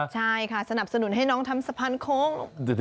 ใช่ค่ะสนับสนุนให้น้องทำสะพานโค้ง